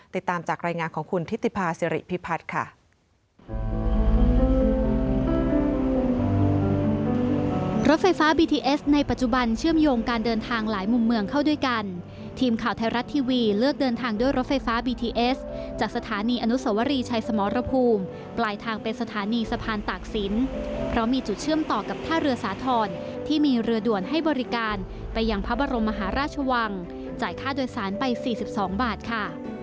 ติดตามจากรายงานของคุณทิติภาษิริพิพัฒน์ค่ะ